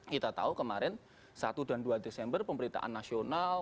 kita tahu kemarin satu dan dua desember pemberitaan nasional